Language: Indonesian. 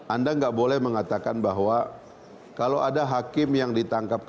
anda nggak boleh mengatakan bahwa kalau ada hakim yang ditangkap